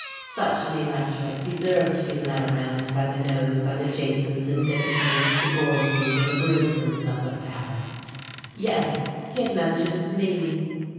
Such an electorate deserved to be led around by the nose by the Jasons and Dickinsons, the Gorses and the Griersons and the Parets. Yes, he had mentioned me.